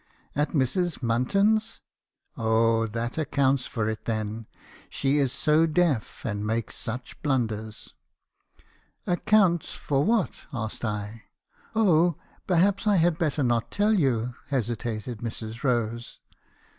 "'At Mrs. Munton's? Oh, that accounts for it, then. She is so deaf, and makes such blunders.' " 'Accounts for what?' asked I. "'Oh, perhaps I had better not tell you,' hesitated Mrs. Rose.